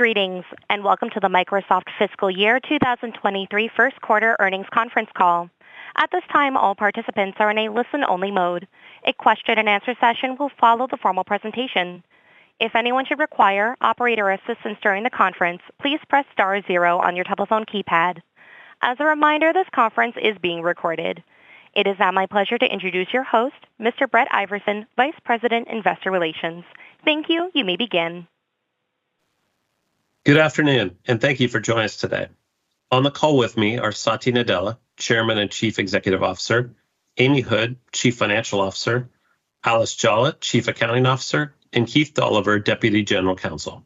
Greetings, and welcome to the Microsoft fiscal year 2023 Q1 earnings conference call. At this time, all participants are in a listen-only mode. A question and answer session will follow the formal presentation. If anyone should require operator assistance during the conference, please press star zero on your telephone keypad. As a reminder, this conference is being recorded. It is now my pleasure to introduce your host, Mr. Brett Iversen, Vice President, Investor Relations. Thank you. You may begin. Good afternoon, and thank you for joining us today. On the call with me are Satya Nadella, Chairman and Chief Executive Officer, Amy Hood, Chief Financial Officer, Alice Jolla, Chief Accounting Officer, and Keith Dolliver, Deputy General Counsel.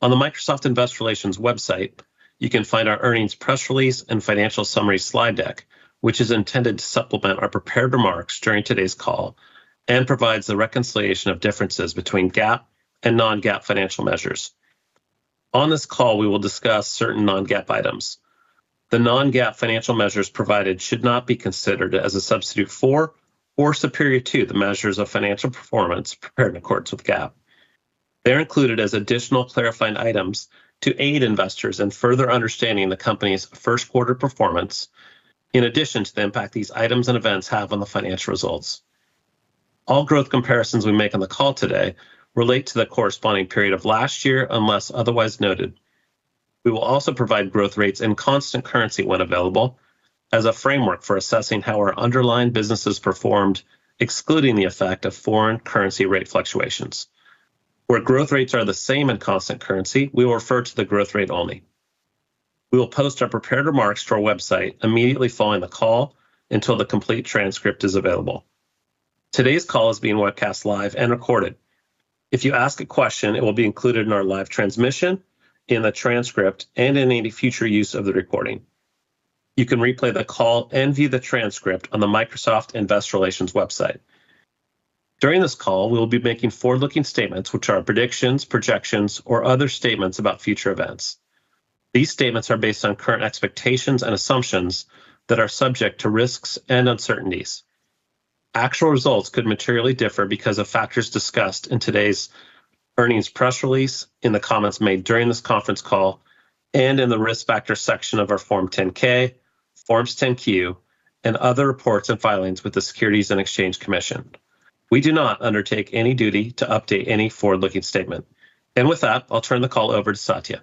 On the Microsoft Investor Relations website, you can find our earnings press release and financial summary slide deck, which is intended to supplement our prepared remarks during today's call and provides the reconciliation of differences between GAAP and non-GAAP financial measures. On this call, we will discuss certain non-GAAP items. The non-GAAP financial measures provided should not be considered as a substitute for or superior to the measures of financial performance prepared in accordance with GAAP. They're included as additional clarifying items to aid investors in further understanding the company's Q1 performance in addition to the impact these items and events have on the financial results. All growth comparisons we make on the call today relate to the corresponding period of last year, unless otherwise noted. We will also provide growth rates and constant currency when available as a framework for assessing how our underlying businesses performed, excluding the effect of foreign currency rate fluctuations. Where growth rates are the same in constant currency, we will refer to the growth rate only. We will post our prepared remarks to our website immediately following the call until the complete transcript is available. Today's call is being webcast live and recorded. If you ask a question, it will be included in our live transmission, in the transcript, and in any future use of the recording. You can replay the call and view the transcript on the Microsoft Investor Relations website. During this call, we will be making forward-looking statements which are predictions, projections, or other statements about future events. These statements are based on current expectations and assumptions that are subject to risks and uncertainties. Actual results could materially differ because of factors discussed in today's earnings press release, in the comments made during this conference call, and in the Risk Factors section of our Form 10-K, Forms 10-Q, and other reports and filings with the Securities and Exchange Commission. We do not undertake any duty to update any forward-looking statement. With that, I'll turn the call over to Satya.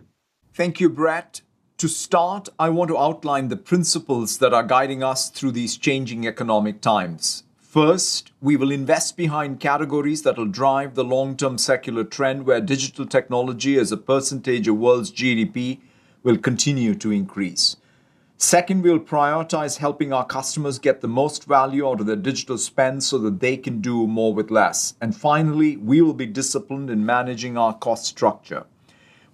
Thank you, Brett. To start, I want to outline the principles that are guiding us through these changing economic times. First, we will invest behind categories that will drive the long-term secular trend where digital technology as a percentage of world's GDP will continue to increase. Second, we'll prioritize helping our customers get the most value out of their digital spend so that they can do more with less. And finally, we will be disciplined in managing our cost structure.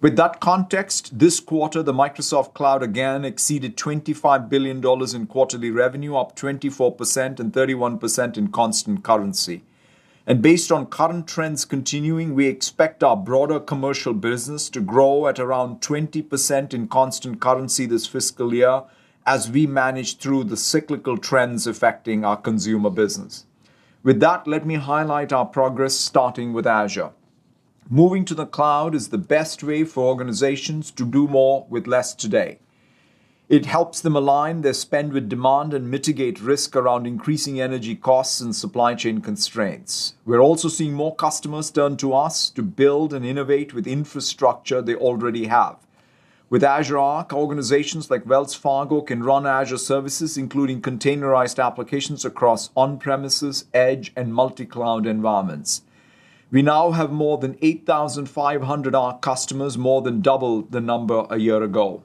With that context, this quarter, the Microsoft Cloud again exceeded $25 billion in quarterly revenue, up 24% and 31% in constant currency. Based on current trends continuing, we expect our broader commercial business to grow at around 20% in constant currency this fiscal year as we manage through the cyclical trends affecting our consumer business. With that, let me highlight our progress starting with Azure. Moving to the cloud is the best way for organizations to do more with less today. It helps them align their spend with demand and mitigate risk around increasing energy costs and supply chain constraints. We're also seeing more customers turn to us to build and innovate with infrastructure they already have. With Azure Arc, organizations like Wells Fargo can run Azure services, including containerized applications across on-premises, edge, and multi-cloud environments. We now have more than 8,500 Arc customers, more than double the number a year ago.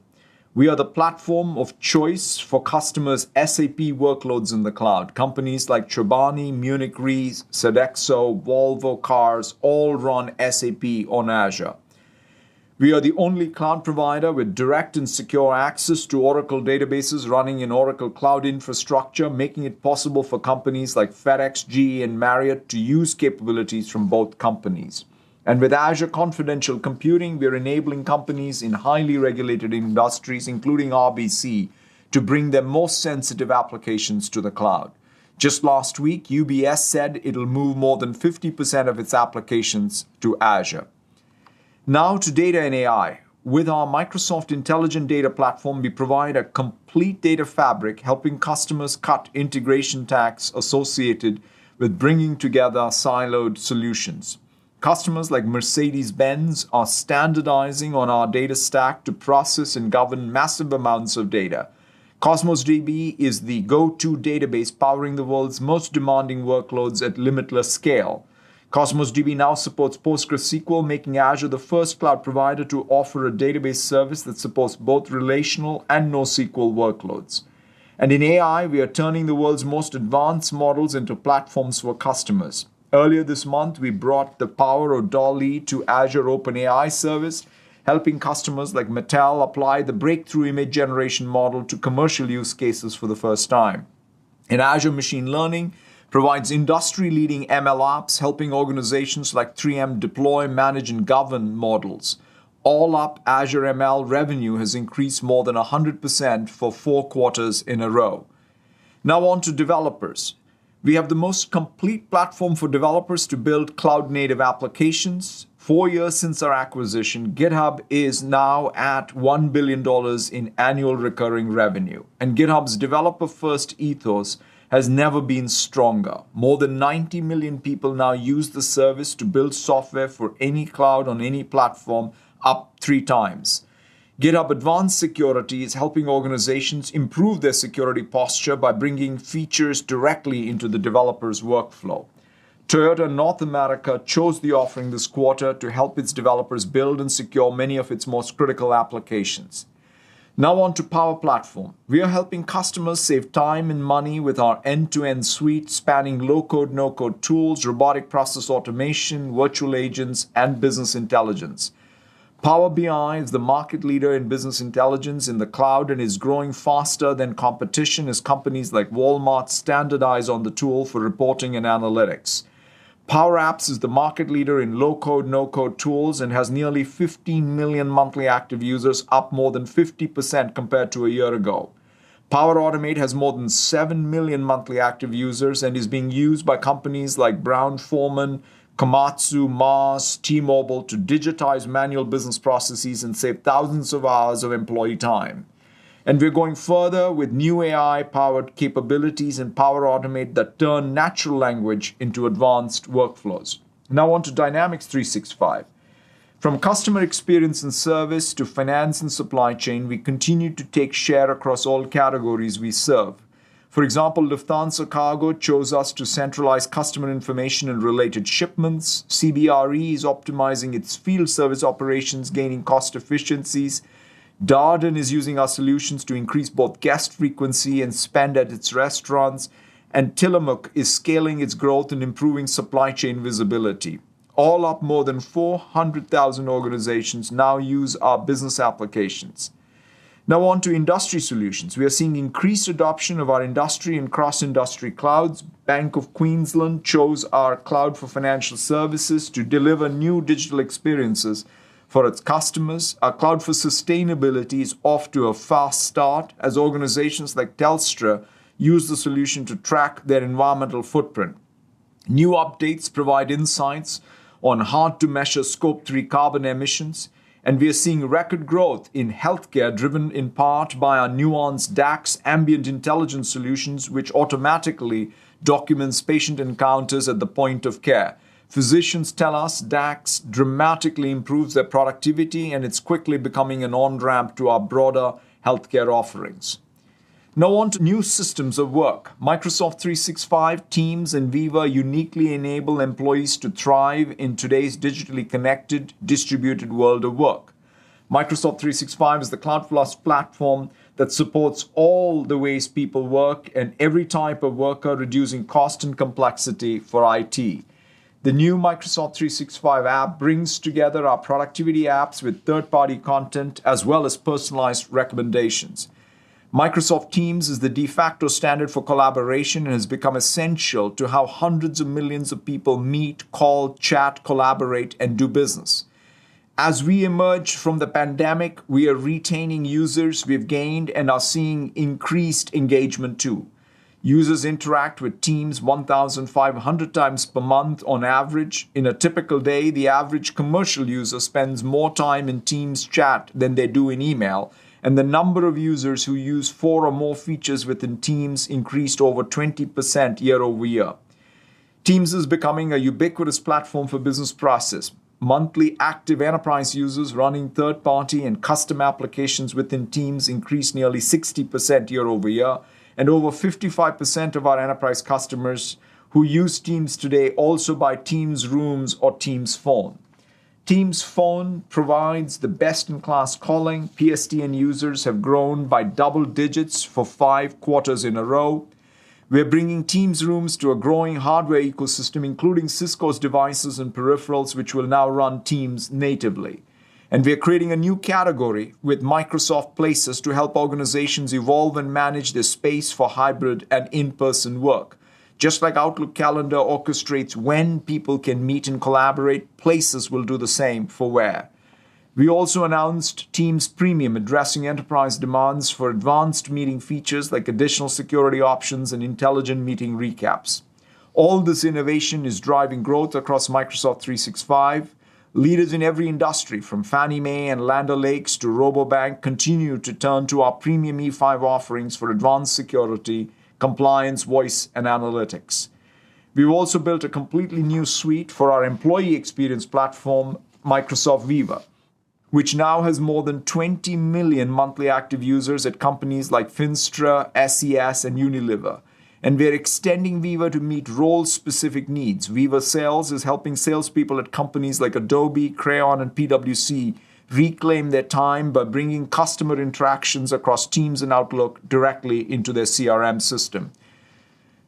We are the platform of choice for customers' SAP workloads in the cloud. Companies like Chobani, Munich Re, Sodexo, Volvo Cars all run SAP on Azure. We are the only cloud provider with direct and secure access to Oracle databases running in Oracle Cloud Infrastructure, making it possible for companies like FedEx, GE, and Marriott to use capabilities from both companies. With Azure Confidential Computing, we're enabling companies in highly regulated industries, including RBC, to bring their most sensitive applications to the cloud. Just last week, UBS said it'll move more than 50% of its applications to Azure. Now to data and AI. With our Microsoft Intelligent Data Platform, we provide a complete data fabric, helping customers cut integration tax associated with bringing together siloed solutions. Customers like Mercedes-Benz are standardizing on our data stack to process and govern massive amounts of data. Cosmos DB is the go-to database powering the world's most demanding workloads at limitless scale. Cosmos DB now supports PostgreSQL, making Azure the first cloud provider to offer a database service that supports both relational and NoSQL workloads. In AI, we are turning the world's most advanced models into platforms for customers. Earlier this month, we brought the power of DALL-E to Azure OpenAI Service, helping customers like Mattel apply the breakthrough image generation model to commercial use cases for the first time. Azure Machine Learning provides industry-leading MLOps, helping organizations like 3M deploy, manage, and govern models. All up Azure ML revenue has increased more than 100% for four quarters in a row. Now on to developers. We have the most complete platform for developers to build cloud-native applications. Four years since our acquisition, GitHub is now at $1 billion in annual recurring revenue, and GitHub's developer-first ethos has never been stronger. More than 90 million people now use the service to build software for any cloud on any platform, up 3 times. GitHub Advanced Security is helping organizations improve their security posture by bringing features directly into the developer's workflow. Toyota North America chose the offering this quarter to help its developers build and secure many of its most critical applications. Now on to Power Platform. We are helping customers save time and money with our end-to-end suite spanning low-code, no-code tools, robotic process automation, virtual agents, and business intelligence. Power BI is the market leader in business intelligence in the cloud and is growing faster than competition as companies like Walmart standardize on the tool for reporting and analytics. Power Apps is the market leader in low-code, no-code tools and has nearly 15 million monthly active users, up more than 50% compared to a year ago. Power Automate has more than 7 million monthly active users and is being used by companies like Brown-Forman, Komatsu, Maersk, T-Mobile to digitize manual business processes and save thousands of hours of employee time. We're going further with new AI-powered capabilities in Power Automate that turn natural language into advanced workflows. Now on to Dynamics 365. From customer experience and service to finance and supply chain, we continue to take share across all categories we serve. For example, Lufthansa Cargo chose us to centralize customer information and related shipments. CBRE is optimizing its field service operations, gaining cost efficiencies. Darden is using our solutions to increase both guest frequency and spend at its restaurants. Tillamook is scaling its growth and improving supply chain visibility. All up, more than 400,000 organizations now use our business applications. Now on to industry solutions. We are seeing increased adoption of our industry and cross-industry clouds. Bank of Queensland chose our cloud for financial services to deliver new digital experiences for its customers. Our cloud for sustainability is off to a fast start as organizations like Telstra use the solution to track their environmental footprint. New updates provide insights on hard-to-measure Scope 3 carbon emissions, and we are seeing record growth in healthcare, driven in part by our Nuance DAX Ambient Intelligence Solutions, which automatically documents patient encounters at the point of care. Physicians tell us DAX dramatically improves their productivity, and it's quickly becoming an on-ramp to our broader healthcare offerings. Now on to new systems of work. Microsoft 365, Teams and Viva uniquely enable employees to thrive in today's digitally connected, distributed world of work. Microsoft 365 is the cloud plus platform that supports all the ways people work and every type of worker reducing cost and complexity for IT. The new Microsoft 365 app brings together our productivity apps with third-party content as well as personalized recommendations. Microsoft Teams is the de facto standard for collaboration and has become essential to how hundreds of millions of people meet, call, chat, collaborate, and do business. As we emerge from the pandemic, we are retaining users we've gained and are seeing increased engagement too. Users interact with Teams 1,500 times per month on average. In a typical day, the average commercial user spends more time in Teams chat than they do in email, and the number of users who use four or more features within Teams increased over 20% year-over-year. Teams is becoming a ubiquitous platform for business process. Monthly active enterprise users running third-party and custom applications within Teams increased nearly 60% year-over-year, and over 55% of our enterprise customers who use Teams today also buy Teams Rooms or Teams Phone. Teams Phone provides the best-in-class calling. PSTN users have grown by double digits for five quarters in a row. We are bringing Teams Rooms to a growing hardware ecosystem, including Cisco's devices and peripherals, which will now run Teams natively. We are creating a new category with Microsoft Places to help organizations evolve and manage their space for hybrid and in-person work. Just like Outlook Calendar orchestrates when people can meet and collaborate, Places will do the same for where. We also announced Teams Premium, addressing enterprise demands for advanced meeting features like additional security options and intelligent meeting recaps. All this innovation is driving growth across Microsoft 365. Leaders in every industry, from Fannie Mae and Land O'Lakes to Rabobank, continue to turn to our premium E5 offerings for advanced security, compliance, voice, and analytics. We've also built a completely new suite for our employee experience platform, Microsoft Viva, which now has more than 20 million monthly active users at companies like Finastra, SCS, and Unilever. We are extending Viva to meet role-specific needs. Viva Sales is helping salespeople at companies like Adobe, Crayon, and PwC reclaim their time by bringing customer interactions across Teams and Outlook directly into their CRM system.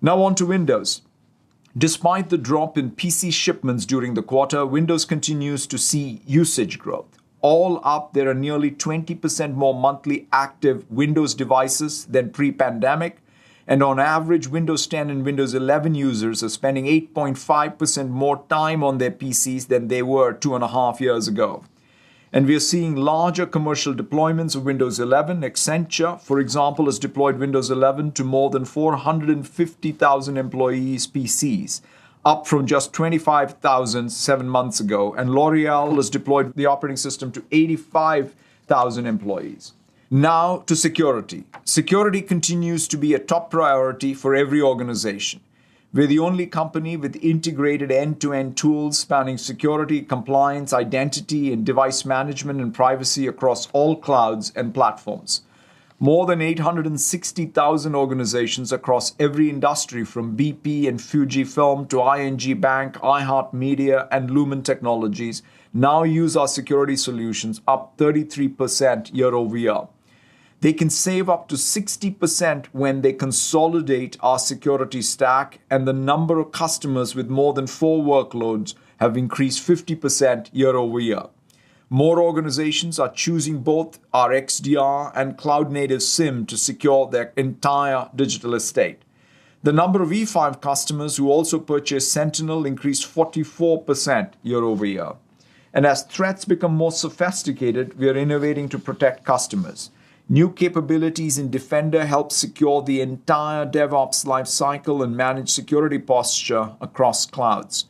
Now on to Windows. Despite the drop in PC shipments during the quarter, Windows continues to see usage growth. All up, there are nearly 20% more monthly active Windows devices than pre-pandemic. On average, Windows 10 and Windows 11 users are spending 8.5% more time on their PCs than they were two and a half years ago. We are seeing larger commercial deployments of Windows 11. Accenture, for example, has deployed Windows 11 to more than 450,000 employees' PCs, up from just 25,000 seven months ago. L'Oréal has deployed the operating system to 85,000 employees. Now, to security. Security continues to be a top priority for every organization. We're the only company with integrated end-to-end tools spanning security, compliance, identity, and device management and privacy across all clouds and platforms. More than 860,000 organizations across every industry from BP and Fujifilm to ING Bank, iHeartMedia, and Lumen Technologies now use our security solutions, up 33% year-over-year. They can save up to 60% when they consolidate our security stack, and the number of customers with more than four workloads have increased 50% year-over-year. More organizations are choosing both our XDR and cloud-native SIEM to secure their entire digital estate. The number of E5 customers who also purchase Sentinel increased 44% year-over-year. As threats become more sophisticated, we are innovating to protect customers. New capabilities in Defender help secure the entire DevOps lifecycle and manage security posture across clouds.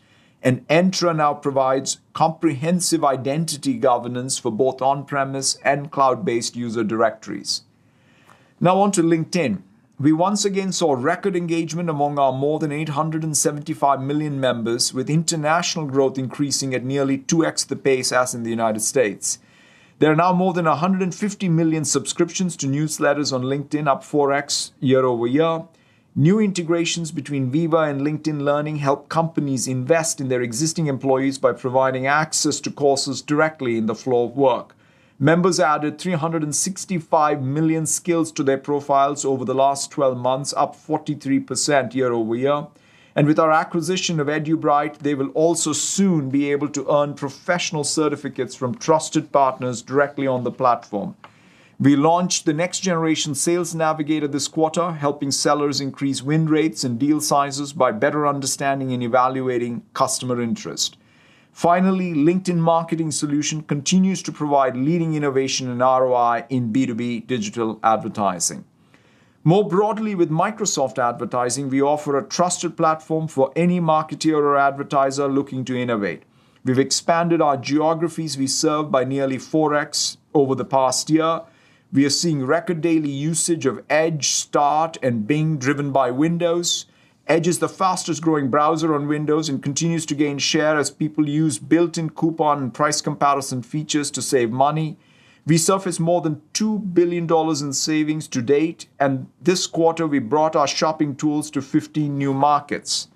Entra now provides comprehensive identity governance for both on-premises and cloud-based user directories. Now on to LinkedIn. We once again saw record engagement among our more than 875 million members, with international growth increasing at nearly 2x the pace as in the United States. There are now more than 150 million subscriptions to newsletters on LinkedIn, up 4x year-over-year. New integrations between Viva and LinkedIn Learning help companies invest in their existing employees by providing access to courses directly in the flow of work. Members added 365 million skills to their profiles over the last 12 months, up 43% year-over-year. With our acquisition of EduBrite, they will also soon be able to earn professional certificates from trusted partners directly on the platform. We launched the next generation Sales Navigator this quarter, helping sellers increase win rates and deal sizes by better understanding and evaluating customer interest. Finally, LinkedIn Marketing Solutions continues to provide leading innovation and ROI in B2B digital advertising. More broadly, with Microsoft Advertising, we offer a trusted platform for any marketer or advertiser looking to innovate. We've expanded our geographies we serve by nearly 4x over the past year. We are seeing record daily usage of Edge, Start, and Bing driven by Windows. Edge is the fastest-growing browser on Windows and continues to gain share as people use built-in coupon and price comparison features to save money. We surface more than $2 billion in savings to date, and this quarter we brought our shopping tools to 15 new markets.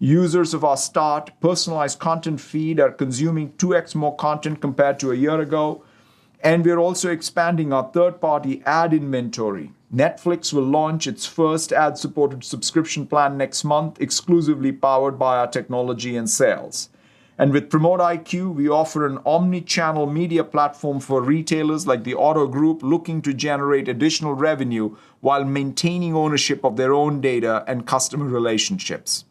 Users of our Start personalized content feed are consuming 2x more content compared to a year ago, and we are also expanding our third-party ad inventory. Netflix will launch its first ad-supported subscription plan next month, exclusively powered by our technology and sales. With PromoteIQ, we offer an omni-channel media platform for retailers like the Otto Group looking to generate additional revenue while maintaining ownership of their own data and customer relationships.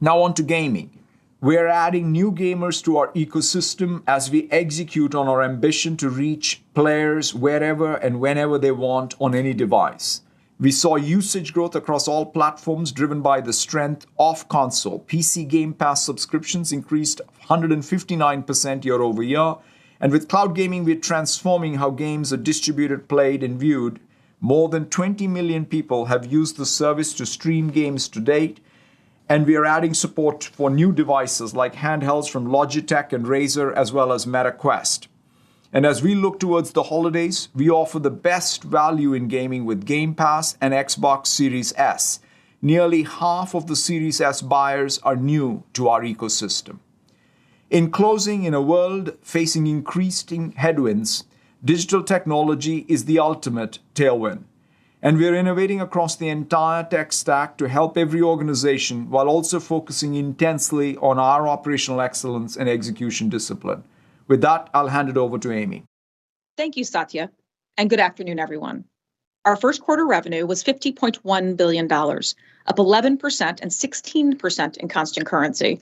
Now on to gaming. We are adding new gamers to our ecosystem as we execute on our ambition to reach players wherever and whenever they want on any device. We saw usage growth across all platforms driven by the strength of console. PC Game Pass subscriptions increased 159% year-over-year, and with cloud gaming, we're transforming how games are distributed, played, and viewed. More than 20 million people have used the service to stream games to date, and we are adding support for new devices like handhelds from Logitech and Razer, as well as Meta Quest. As we look towards the holidays, we offer the best value in gaming with Game Pass and Xbox Series S. Nearly half of the Series S buyers are new to our ecosystem. In closing, in a world facing increasing headwinds, digital technology is the ultimate tailwind, and we are innovating across the entire tech stack to help every organization while also focusing intensely on our operational excellence and execution discipline. With that, I'll hand it over to Amy. Thank you, Satya, and good afternoon, everyone. Our Q1 revenue was $50.1 billion, up 11% and 16% in constant currency.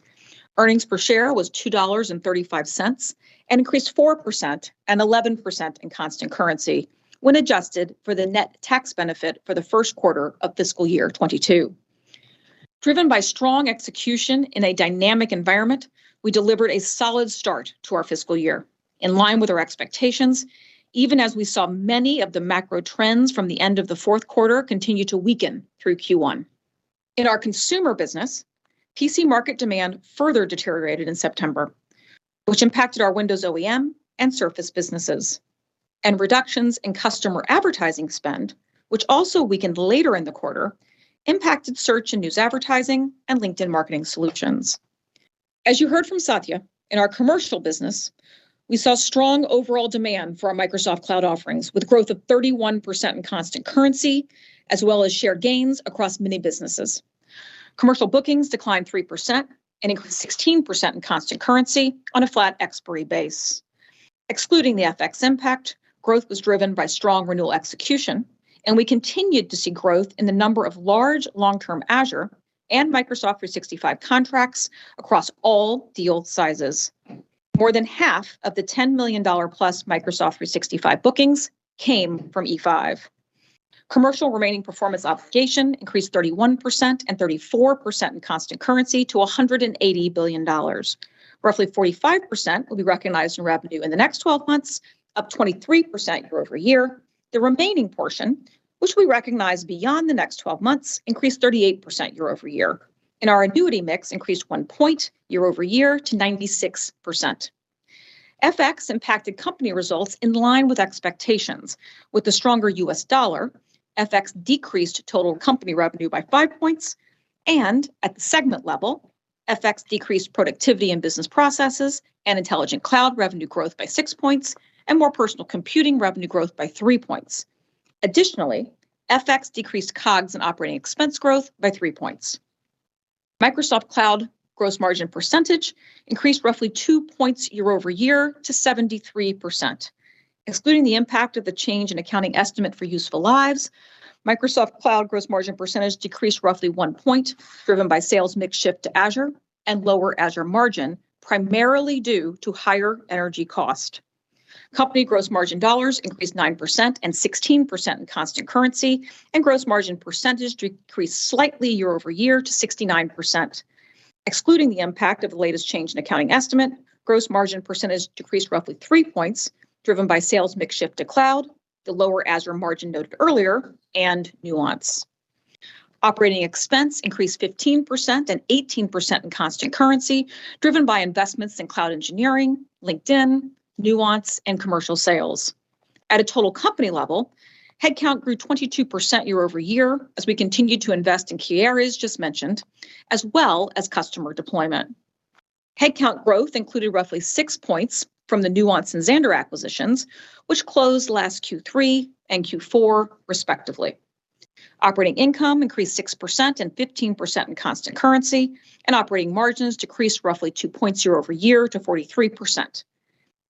Earnings per share was $2.35 and increased 4% and 11% in constant currency when adjusted for the net tax benefit for the Q1 of fiscal year 2022. Driven by strong execution in a dynamic environment, we delivered a solid start to our fiscal year in line with our expectations, even as we saw many of the macro trends from the end of the Q4 continue to weaken through Q1. In our consumer business, PC market demand further deteriorated in September, which impacted our Windows OEM and Surface businesses. Reductions in customer advertising spend, which also weakened later in the quarter, impacted search and news advertising and LinkedIn Marketing Solutions. As you heard from Satya, in our commercial business, we saw strong overall demand for our Microsoft Cloud offerings, with growth of 31% in constant currency as well as share gains across many businesses. Commercial bookings declined 3% and increased 16% in constant currency on a flat expiry base. Excluding the FX impact, growth was driven by strong renewal execution, and we continued to see growth in the number of large long-term Azure and Microsoft 365 contracts across all deal sizes. More than half of the $10 million plus Microsoft 365 bookings came from E5. Commercial remaining performance obligation increased 31% and 34% in constant currency to $180 billion. Roughly 45% will be recognized in revenue in the next twelve months, up 23% year-over-year. The remaining portion, which we recognize beyond the next twelve months, increased 38% year-over-year. Our annuity mix increased one point year-over-year to 96%. FX impacted company results in line with expectations. With the stronger U.S. dollar, FX decreased total company revenue by five points, and at the segment level, FX decreased productivity in business processes and intelligent cloud revenue growth by six points, and more personal computing revenue growth by three points. Additionally, FX decreased COGS and operating expense growth by three points. Microsoft Cloud gross margin percentage increased roughly two points year-over-year to 73%. Excluding the impact of the change in accounting estimate for useful lives, Microsoft Cloud gross margin percentage decreased roughly one point, driven by sales mix shift to Azure and lower Azure margin, primarily due to higher energy cost. Company gross margin dollars increased 9% and 16% in constant currency, and gross margin percentage decreased slightly year-over-year to 69%. Excluding the impact of the latest change in accounting estimate, gross margin percentage decreased roughly three points, driven by sales mix shift to cloud, the lower Azure margin noted earlier, and Nuance. Operating expense increased 15% and 18% in constant currency, driven by investments in cloud engineering, LinkedIn, Nuance, and commercial sales. At a total company level, headcount grew 22% year-over-year as we continued to invest in key areas just mentioned, as well as customer deployment. Headcount growth included roughly six points from the Nuance and Xandr acquisitions, which closed last Q3 and Q4 respectively. Operating income increased 6% and 15% in constant currency, and operating margins decreased roughly two points year-over-year to 43%.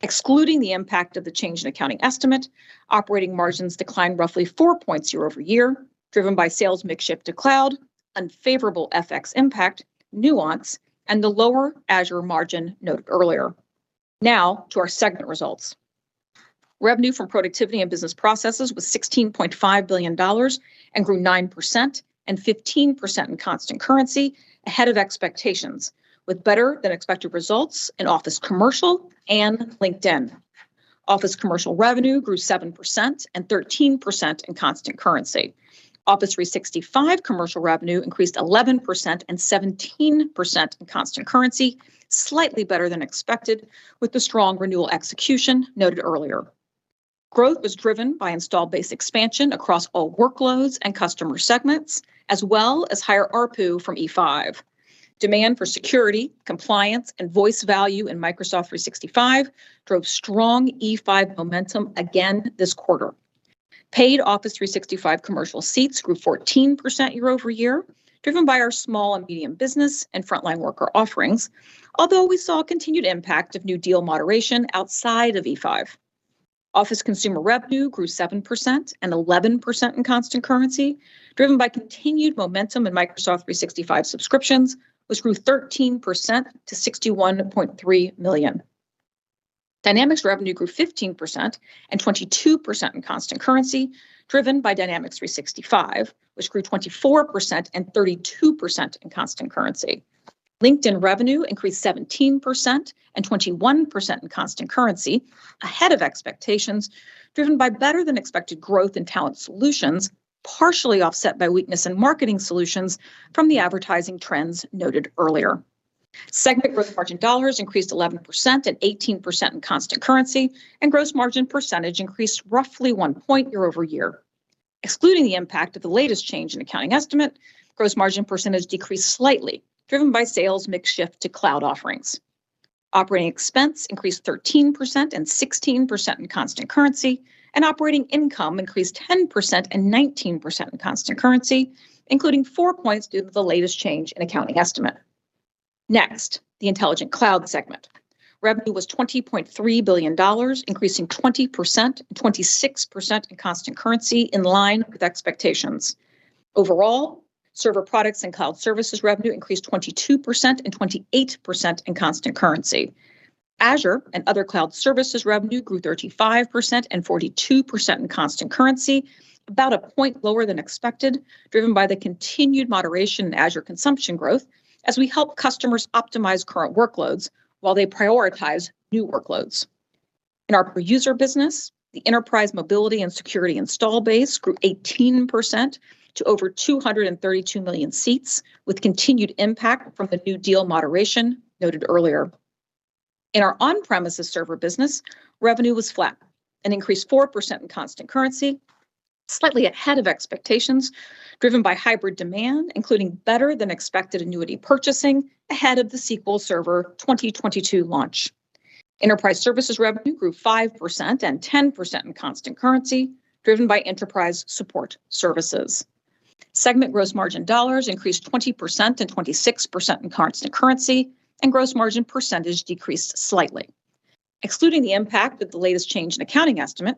Excluding the impact of the change in accounting estimate, operating margins declined roughly four points year-over-year, driven by sales mix shift to cloud, unfavorable FX impact, Nuance, and the lower Azure margin noted earlier. Now to our segment results. Revenue from productivity and business processes was $16.5 billion and grew 9% and 15% in constant currency ahead of expectations, with better-than-expected results in Office Commercial and LinkedIn. Office Commercial revenue grew 7% and 13% in constant currency. Office 365 Commercial revenue increased 11% and 17% in constant currency, slightly better than expected with the strong renewal execution noted earlier. Growth was driven by install base expansion across all workloads and customer segments, as well as higher ARPU from E5. Demand for security, compliance, and voice value in Microsoft 365 drove strong E5 momentum again this quarter. Paid Office 365 commercial seats grew 14% year-over-year, driven by our small and medium business and frontline worker offerings. Although we saw a continued impact of new deal moderation outside of E5. Office consumer revenue grew 7% and 11% in constant currency, driven by continued momentum in Microsoft 365 subscriptions, which grew 13% to 61.3 million. Dynamics revenue grew 15% and 22% in constant currency, driven by Dynamics 365, which grew 24% and 32% in constant currency. LinkedIn revenue increased 17% and 21% in constant currency, ahead of expectations, driven by better than expected growth in talent solutions, partially offset by weakness in marketing solutions from the advertising trends noted earlier. Segment growth margin dollars increased 11% and 18% in constant currency, and gross margin percentage increased roughly one point year-over-year. Excluding the impact of the latest change in accounting estimate, gross margin percentage decreased slightly, driven by sales mix shift to cloud offerings. Operating expense increased 13% and 16% in constant currency, and operating income increased 10% and 19% in constant currency, including four points due to the latest change in accounting estimate. Next, the Intelligent Cloud segment. Revenue was $20.3 billion, increasing 20% and 26% in constant currency in line with expectations. Overall, server products and cloud services revenue increased 22% and 28% in constant currency. Azure and other cloud services revenue grew 35% and 42% in constant currency, about a point lower than expected, driven by the continued moderation in Azure consumption growth as we help customers optimize current workloads while they prioritize new workloads. In our per user business, the Enterprise Mobility and Security installed base grew 18% to over 232 million seats, with continued impact from the new deal moderation noted earlier. In our on-premises server business, revenue was flat and increased 4% in constant currency, slightly ahead of expectations, driven by hybrid demand, including better than expected annuity purchasing ahead of the SQL Server 2022 launch. Enterprise services revenue grew 5% and 10% in constant currency, driven by enterprise support services. Segment gross margin dollars increased 20% and 26% in constant currency, and gross margin percentage decreased slightly. Excluding the impact with the latest change in accounting estimate,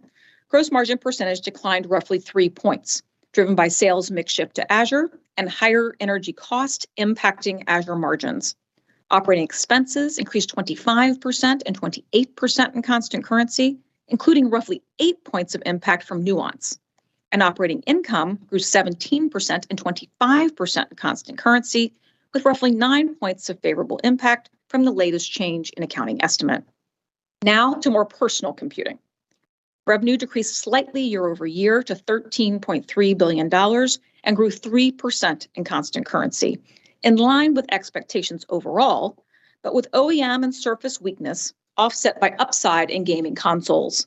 gross margin percentage declined roughly three points, driven by sales mix shift to Azure and higher energy cost impacting Azure margins. Operating expenses increased 25% and 28% in constant currency, including roughly eight points of impact from Nuance. Operating income grew 17% and 25% in constant currency, with roughly nine points of favorable impact from the latest change in accounting estimate. Now to more personal computing. Revenue decreased slightly year-over-year to $13.3 billion and grew 3% in constant currency, in line with expectations overall, but with OEM and Surface weakness offset by upside in gaming consoles.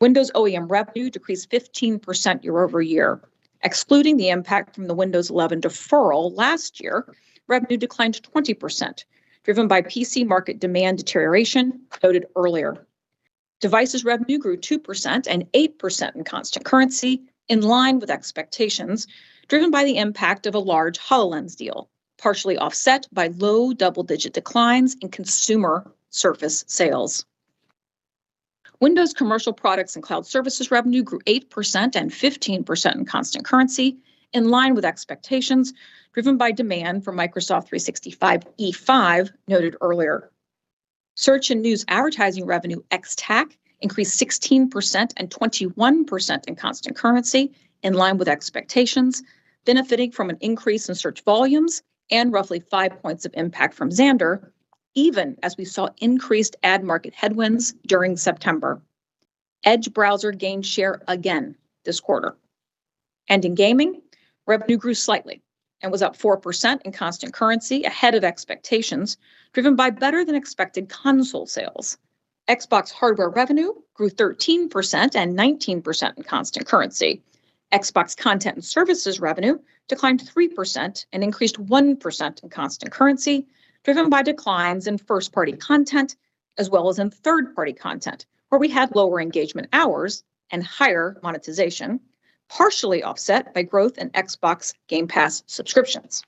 Windows OEM revenue decreased 15% year-over-year. Excluding the impact from the Windows 11 deferral last year, revenue declined 20%, driven by PC market demand deterioration noted earlier. Devices revenue grew 2% and 8% in constant currency in line with expectations, driven by the impact of a large HoloLens deal, partially offset by low double-digit declines in consumer Surface sales. Windows commercial products and cloud services revenue grew 8% and 15% in constant currency in line with expectations, driven by demand for Microsoft 365 E5 noted earlier. Search and news advertising revenue ex TAC increased 16% and 21% in constant currency in line with expectations, benefiting from an increase in search volumes and roughly five points of impact from Xandr, even as we saw increased ad market headwinds during September. Edge browser gained share again this quarter. In gaming, revenue grew slightly and was up 4% in constant currency ahead of expectations, driven by better than expected console sales. Xbox hardware revenue grew 13% and 19% in constant currency. Xbox content and services revenue declined 3% and increased 1% in constant currency, driven by declines in first-party content as well as in third-party content, where we had lower engagement hours and higher monetization, partially offset by growth in Xbox Game Pass subscriptions.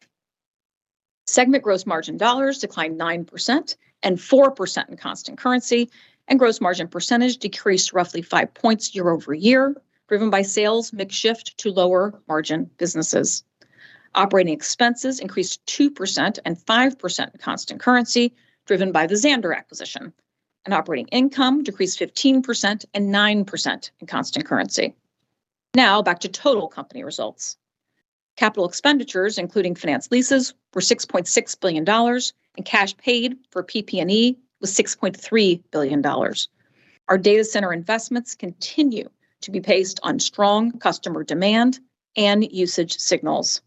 Segment gross margin dollars declined 9% and 4% in constant currency, and gross margin percentage decreased roughly 5 points year-over-year, driven by sales mix shift to lower margin businesses. Operating expenses increased 2% and 5% in constant currency, driven by the Xandr acquisition. Operating income decreased 15% and 9% in constant currency. Now back to total company results. Capital expenditures, including finance leases, were $6.6 billion, and cash paid for PP&E was $6.3 billion. Our data center investments continue to be paced on strong customer demand and usage signals.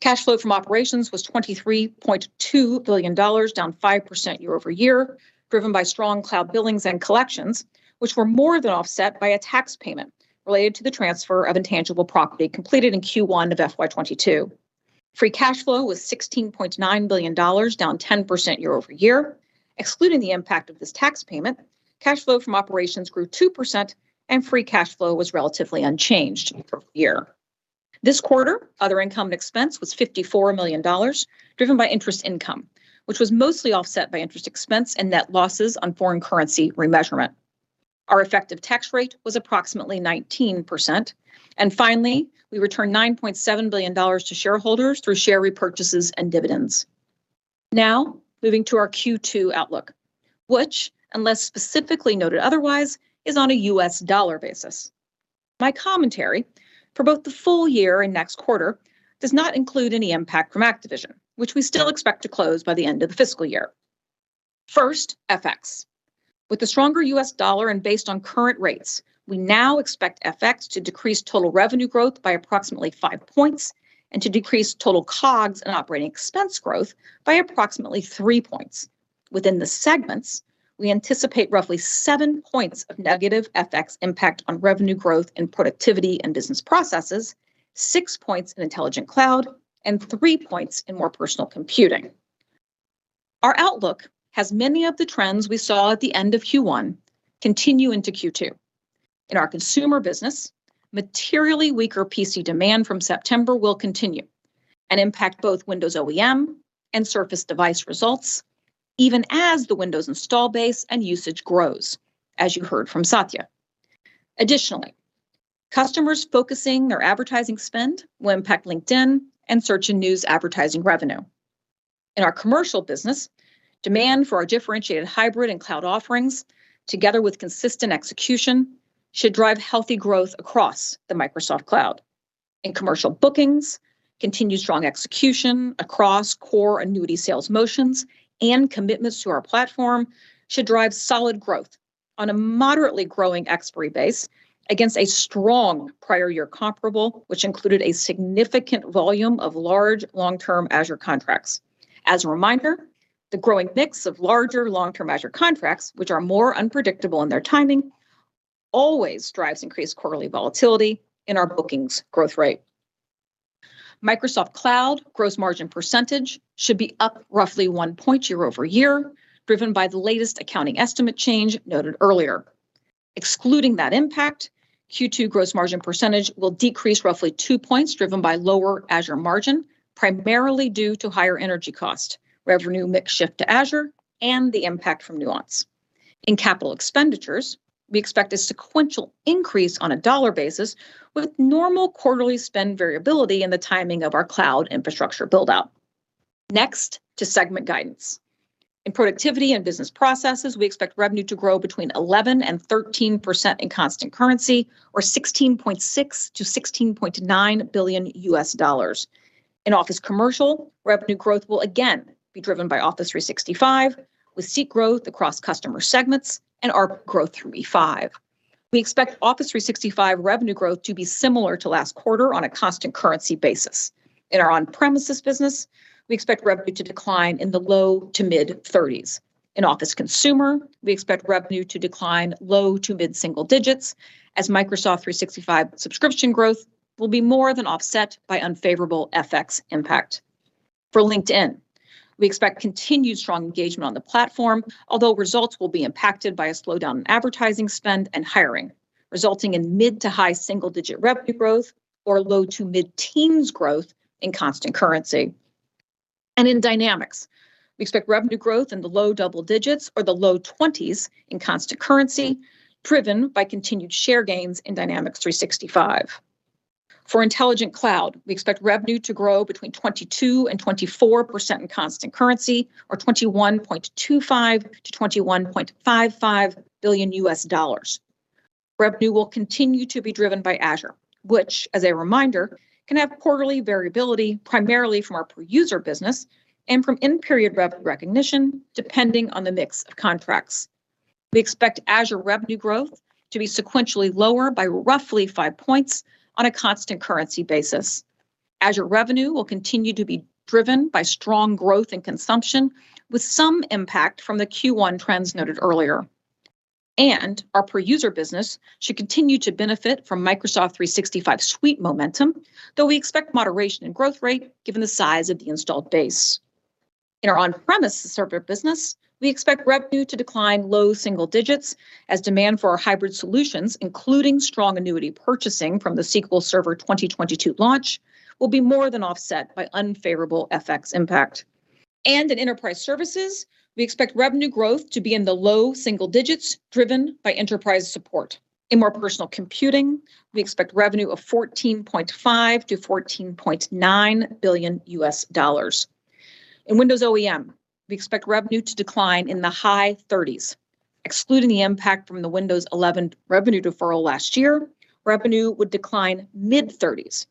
Cash flow from operations was $23.2 billion, down 5% year-over-year, driven by strong cloud billings and collections, which were more than offset by a tax payment related to the transfer of intangible property completed in Q1 of FY 2022. Free cash flow was $16.9 billion, down 10% year-over-year. Excluding the impact of this tax payment, cash flow from operations grew 2% and free cash flow was relatively unchanged year-over-year. This quarter, other income and expense was $54 million, driven by interest income, which was mostly offset by interest expense and net losses on foreign currency remeasurement. Our effective tax rate was approximately 19%. Finally, we returned $9.7 billion to shareholders through share repurchases and dividends. Now, moving to our Q2 outlook, which, unless specifically noted otherwise, is on a U.S. dollar basis. My commentary for both the full year and next quarter does not include any impact from Activision, which we still expect to close by the end of the fiscal year. First, FX. With the stronger U.S. dollar and based on current rates, we now expect FX to decrease total revenue growth by approximately five points and to decrease total COGS and operating expense growth by approximately three points. Within the segments, we anticipate roughly seven points of negative FX impact on revenue growth and Productivity and Business Processes, six points in Intelligent Cloud, and three points in More Personal Computing. Our outlook has many of the trends we saw at the end of Q1 continue into Q2. In our consumer business, materially weaker PC demand from September will continue and impact both Windows OEM and Surface device results, even as the Windows install base and usage grows, as you heard from Satya. Additionally, customers focusing their advertising spend will impact LinkedIn and search and news advertising revenue. In our commercial business, demand for our differentiated hybrid and cloud offerings, together with consistent execution, should drive healthy growth across the Microsoft Cloud. In commercial bookings, continued strong execution across core annuity sales motions and commitments to our platform should drive solid growth on a moderately growing expiry base against a strong prior year comparable, which included a significant volume of large long-term Azure contracts. As a reminder, the growing mix of larger long-term Azure contracts, which are more unpredictable in their timing, always drives increased quarterly volatility in our bookings growth rate. Microsoft Cloud gross margin percentage should be up roughly one point year-over-year, driven by the latest accounting estimate change noted earlier. Excluding that impact, Q2 gross margin percentage will decrease roughly two points driven by lower Azure margin, primarily due to higher energy cost, revenue mix shift to Azure, and the impact from Nuance. In capital expenditures, we expect a sequential increase on a dollar basis with normal quarterly spend variability in the timing of our cloud infrastructure build-out. Next, to segment guidance. In productivity and business processes, we expect revenue to grow between 11% and 13% in constant currency or $16.6 billion-$16.9 billion. In Office Commercial, revenue growth will again be driven by Office 365, with seat growth across customer segments and ARPU growth through E5. We expect Office 365 revenue growth to be similar to last quarter on a constant currency basis. In our on-premises business, we expect revenue to decline in the low- to mid-30s. In Office Consumer, we expect revenue to decline low- to mid-single digits as Microsoft 365 subscription growth will be more than offset by unfavorable FX impact. For LinkedIn, we expect continued strong engagement on the platform, although results will be impacted by a slowdown in advertising spend and hiring, resulting in mid- to high single-digit revenue growth or low- to mid-teens growth in constant currency. In Dynamics, we expect revenue growth in the low double digits or the low 20s in constant currency, driven by continued share gains in Dynamics 365. For Intelligent Cloud, we expect revenue to grow between 22% and 24% in constant currency or $21.25 billion-$21.55 billion. Revenue will continue to be driven by Azure, which as a reminder, can have quarterly variability primarily from our per user business and from in-period rev recognition, depending on the mix of contracts. We expect Azure revenue growth to be sequentially lower by roughly five points on a constant currency basis. Azure revenue will continue to be driven by strong growth in consumption, with some impact from the Q1 trends noted earlier. Our per user business should continue to benefit from Microsoft 365 suite momentum, though we expect moderation in growth rate given the size of the installed base. In our on-premises server business, we expect revenue to decline low single digits as demand for our hybrid solutions, including strong annuity purchasing from the SQL Server 2022 launch, will be more than offset by unfavorable FX impact. In Enterprise Services, we expect revenue growth to be in the low single digits driven by enterprise support. In More Personal Computing, we expect revenue of $14.5 billion-$14.9 billion. In Windows OEM, we expect revenue to decline in the high thirties. Excluding the impact from the Windows 11 revenue deferral last year, revenue would decline mid-thirties,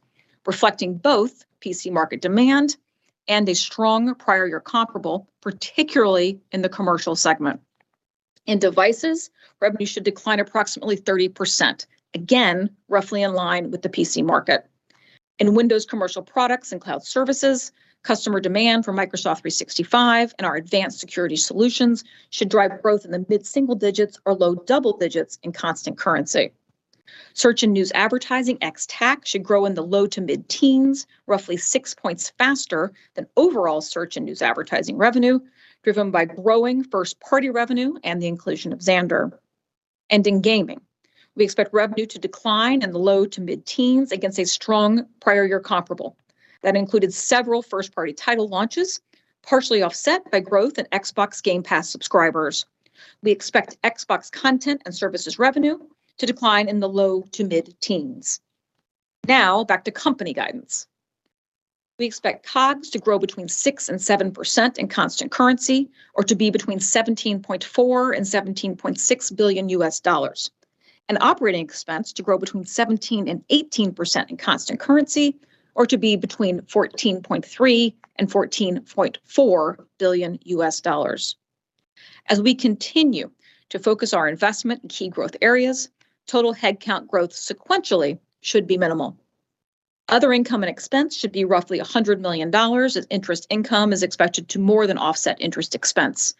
reflecting both PC market demand and a strong prior year comparable, particularly in the commercial segment. In Devices, revenue should decline approximately 30%, again, roughly in line with the PC market. In Windows Commercial Products and Cloud Services, customer demand for Microsoft 365 and our advanced security solutions should drive growth in the mid-single digits or low double digits in constant currency. Search and news advertising ex-TAC should grow in the low to mid-teens, roughly six points faster than overall search and news advertising revenue, driven by growing first-party revenue and the inclusion of Xandr. In gaming, we expect revenue to decline in the low to mid-teens against a strong prior year comparable. That included several first-party title launches, partially offset by growth in Xbox Game Pass subscribers. We expect Xbox content and services revenue to decline in the low to mid-teens. Now back to company guidance. We expect COGS to grow between 6% and 7% in constant currency or to be between $17.4 billion and $17.6 billion. Operating expense to grow between 17% and 18% in constant currency, or to be between $14.3 billion and $14.4 billion. As we continue to focus our investment in key growth areas, total headcount growth sequentially should be minimal. Other income and expense should be roughly $100 million as interest income is expected to more than offset interest expense.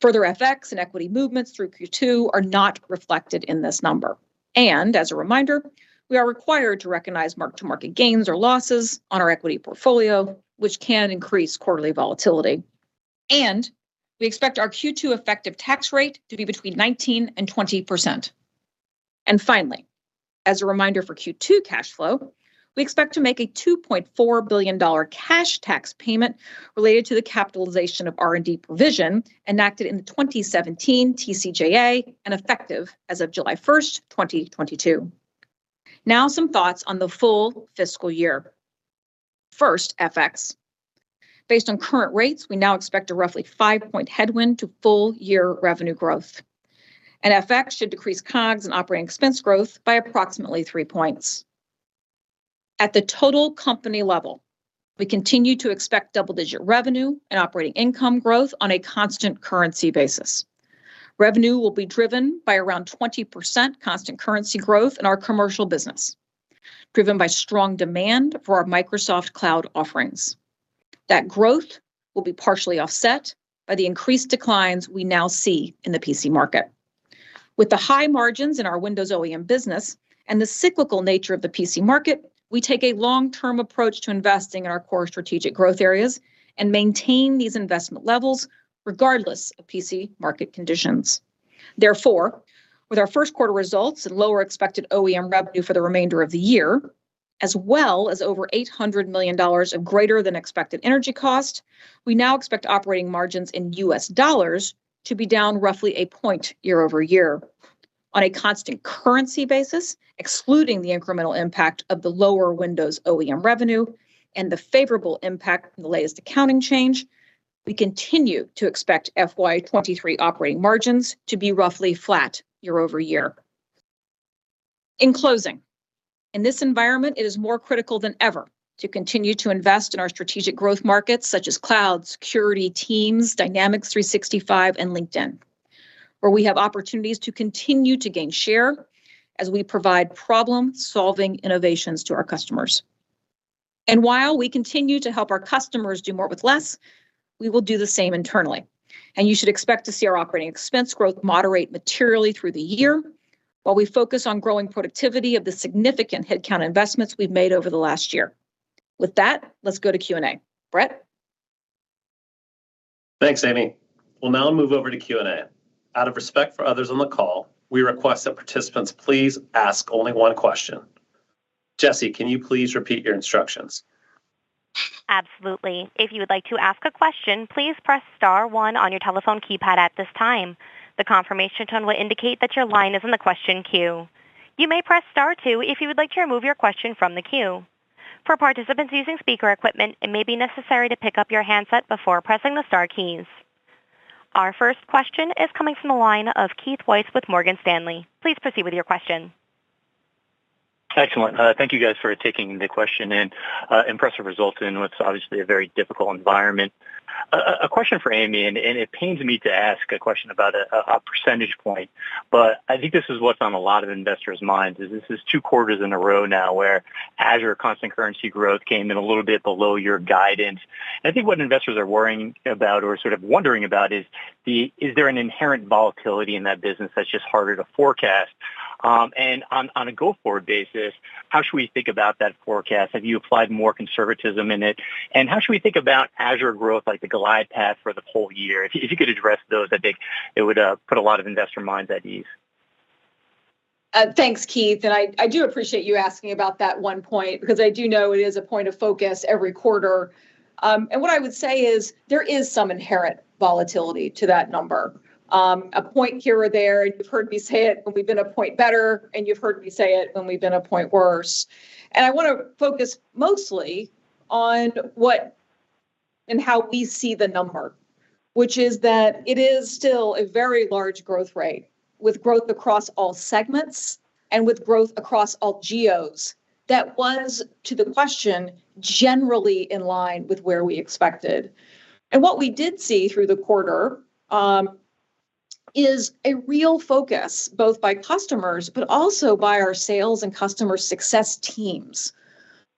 Further FX and equity movements through Q2 are not reflected in this number. As a reminder, we are required to recognize mark-to-market gains or losses on our equity portfolio, which can increase quarterly volatility. We expect our Q2 effective tax rate to be between 19% and 20%.Finally, as a reminder for Q2 cash flow, we expect to make a $2.4 billion cash tax payment related to the capitalization of R&D provision enacted in the 2017 TCJA and effective as of July 1st, 2022. Now, some thoughts on the full fiscal year. First, FX. Based on current rates, we now expect a roughly five-point headwind to full year revenue growth. FX should decrease COGS and operating expense growth by approximately three points. At the total company level, we continue to expect double-digit revenue and operating income growth on a constant currency basis. Revenue will be driven by around 20% constant currency growth in our commercial business, driven by strong demand for our Microsoft Cloud offerings. That growth will be partially offset by the increased declines we now see in the PC market. With the high margins in our Windows OEM business and the cyclical nature of the PC market, we take a long-term approach to investing in our core strategic growth areas and maintain these investment levels regardless of PC market conditions. Therefore, with our Q1 results and lower expected OEM revenue for the remainder of the year. As well as over $800 million of greater than expected energy cost, we now expect operating margins in U.S. dollars to be down roughly a point year-over-year. On a constant currency basis, excluding the incremental impact of the lower Windows OEM revenue and the favorable impact from the latest accounting change, we continue to expect FY 2023 operating margins to be roughly flat year-over-year. In closing, in this environment, it is more critical than ever to continue to invest in our strategic growth markets such as cloud, security, Teams, Dynamics 365, and LinkedIn, where we have opportunities to continue to gain share as we provide problem-solving innovations to our customers. While we continue to help our customers do more with less, we will do the same internally. You should expect to see our operating expense growth moderate materially through the year while we focus on growing productivity of the significant headcount investments we've made over the last year. With that, let's go to Q&A. Brett? Thanks, Amy. We'll now move over to Q&A. Out of respect for others on the call, we request that participants please ask only one question. Jesse, can you please repeat your instructions? Absolutely. If you would like to ask a question, please press star one on your telephone keypad at this time. The confirmation tone will indicate that your line is in the question queue. You may press star two if you would like to remove your question from the queue. For participants using speaker equipment, it may be necessary to pick up your handset before pressing the star keys. Our first question is coming from the line of Keith Weiss with Morgan Stanley. Please proceed with your question. Excellent. Thank you guys for taking the question. Impressive results in what's obviously a very difficult environment. A question for Amy Hood, and it pains me to ask a question about a percentage point, but I think this is what's on a lot of investors' minds is this is two quarters in a row now where Azure constant currency growth came in a little bit below your guidance. I think what investors are worrying about or sort of wondering about is there an inherent volatility in that business that's just harder to forecast? On a go-forward basis, how should we think about that forecast? Have you applied more conservatism in it? How should we think about Azure growth, like the glide path for the whole year? If you could address those, I think it would put a lot of investor minds at ease. Thanks, Keith. I do appreciate you asking about that one point because I do know it is a point of focus every quarter. What I would say is there is some inherent volatility to that number. A point here or there, you've heard me say it when we've been a point better, and you've heard me say it when we've been a point worse. I wanna focus mostly on what and how we see the number, which is that it is still a very large growth rate with growth across all segments and with growth across all geos that was, to the question, generally in line with where we expected. What we did see through the quarter is a real focus, both by customers, but also by our sales and customer success teams,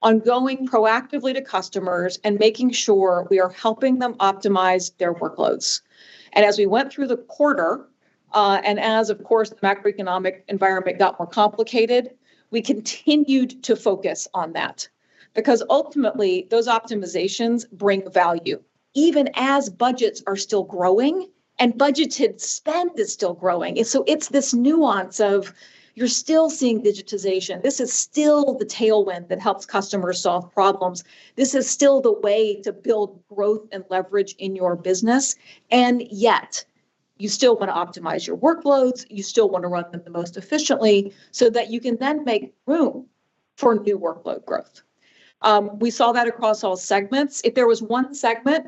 on going proactively to customers and making sure we are helping them optimize their workloads. As we went through the quarter, and as of course the macroeconomic environment got more complicated, we continued to focus on that. Because ultimately, those optimizations bring value even as budgets are still growing and budgeted spend is still growing. It's this nuance of you're still seeing digitization. This is still the tailwind that helps customers solve problems. This is still the way to build growth and leverage in your business, and yet you still wanna optimize your workloads, you still wanna run them the most efficiently, so that you can then make room for new workload growth. We saw that across all segments. If there was one segment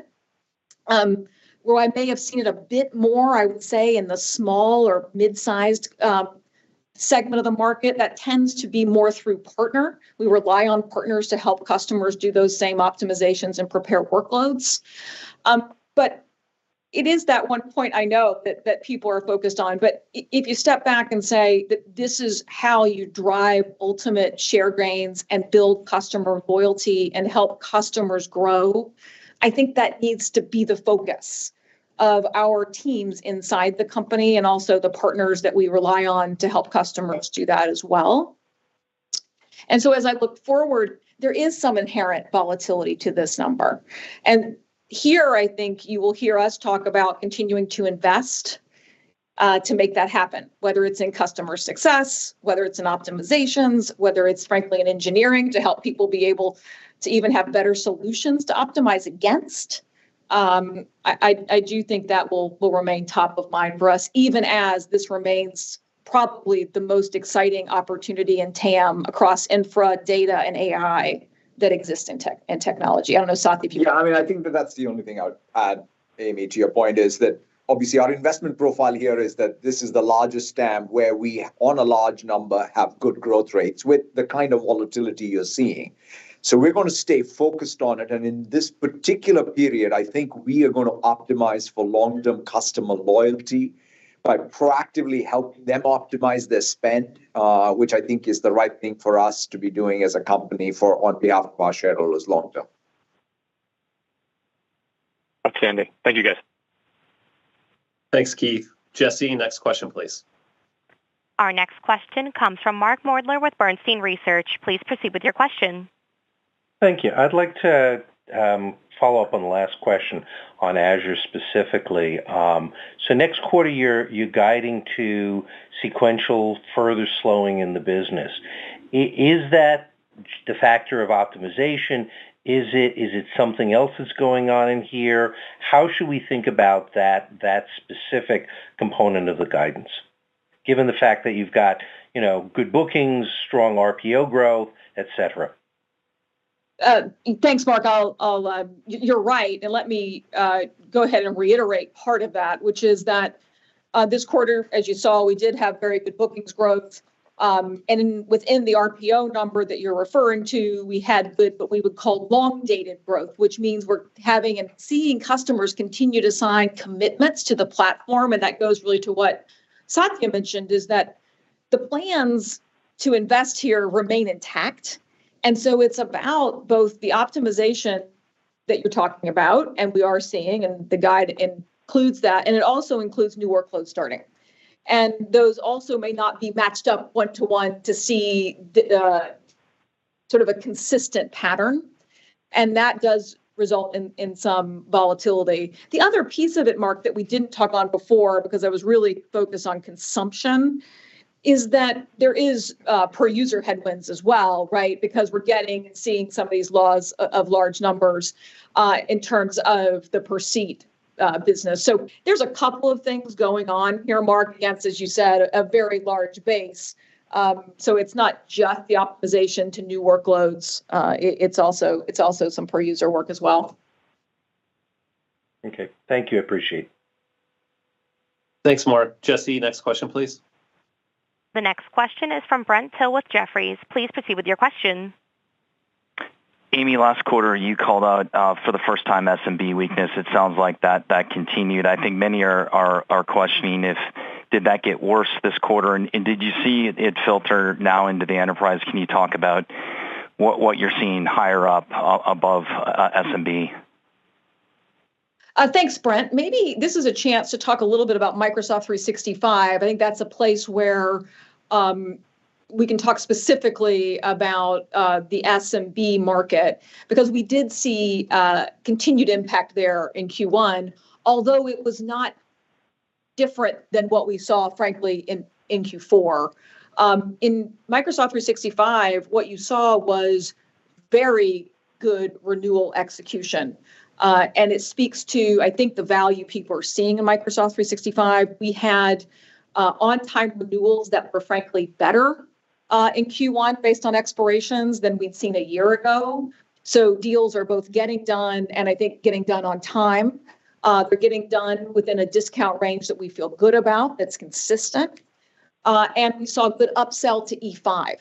where I may have seen it a bit more, I would say in the small or mid-sized segment of the market, that tends to be more through partner. We rely on partners to help customers do those same optimizations and prepare workloads. It is that one point I know that people are focused on. If you step back and say this is how you drive ultimate share gains and build customer loyalty and help customers grow, I think that needs to be the focus of our teams inside the company and also the partners that we rely on to help customers do that as well. As I look forward, there is some inherent volatility to this number. I think you will hear us talk about continuing to invest to make that happen, whether it's in customer success, whether it's in optimizations, whether it's frankly in engineering to help people be able to even have better solutions to optimize against. I do think that will remain top of mind for us, even as this remains probably the most exciting opportunity in TAM across infra, data, and AI that exists in technology. I don't know, Satya, if you. Yeah. I mean, I think that that's the only thing I would add, Amy, to your point, is that obviously our investment profile here is that this is the largest TAM where we own a large number have good growth rates with the kind of volatility you're seeing. We're gonna stay focused on it. In this particular period, I think we are gonna optimize for long-term customer loyalty by proactively helping them optimize their spend, which I think is the right thing for us to be doing as a company and on behalf of our shareholders long term. Outstanding. Thank you, guys. Thanks, Keith. Jesse, next question, please. Our next question comes from Mark Moerdler with Bernstein Research. Please proceed with your question. Thank you. I'd like to follow up on the last question on Azure specifically. So next quarter, you're guiding to sequential further slowing in the business. Is that the factor of optimization? Is it something else that's going on in here? How should we think about that specific component of the guidance, given the fact that you've got, you know, good bookings, strong RPO growth, et cetera? Thanks, Mark. You're right, and let me go ahead and reiterate part of that, which is that, this quarter, as you saw, we did have very good bookings growth. Within the RPO number that you're referring to, we had good, what we would call long-dated growth, which means we're having and seeing customers continue to sign commitments to the platform, and that goes really to what Satya mentioned, is that the plans to invest here remain intact. It's about both the optimization that you're talking about, and we are seeing, and the guide includes that, and it also includes new workloads starting. Those also may not be matched up one to one to see the sort of a consistent pattern. That does result in some volatility. The other piece of it, Mark, that we didn't talk on before, because I was really focused on consumption, is that there is per user headwinds as well, right? Because we're getting and seeing some of these laws of large numbers in terms of the per seat business. There's a couple of things going on here, Mark, against, as you said, a very large base. It's not just the optimization to new workloads. It's also some per user work as well. Okay. Thank you. Appreciate it. Thanks, Mark. Jesse, next question, please. The next question is from Brent Thill with Jefferies. Please proceed with your question. Amy Hood, last quarter, you called out for the first time SMB weakness. It sounds like that continued. I think many are questioning if did that get worse this quarter, and did you see it filter now into the enterprise. Can you talk about what you're seeing higher up above SMB? Thanks, Brent. Maybe this is a chance to talk a little bit about Microsoft 365. I think that's a place where we can talk specifically about the SMB market, because we did see continued impact there in Q1, although it was not different than what we saw, frankly, in Q4. In Microsoft 365, what you saw was very good renewal execution. It speaks to, I think, the value people are seeing in Microsoft 365. We had on-time renewals that were frankly better in Q1 based on expirations than we'd seen a year ago. Deals are both getting done and I think getting done on time. They're getting done within a discount range that we feel good about, that's consistent. We saw a good upsell to E5.